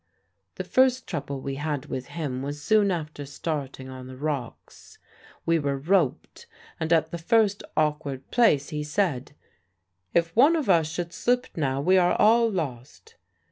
"The first trouble we had with him was soon after starting on the rocks. We were roped; and at the first awkward place he said, 'If one of us should slip now, we are all lost.'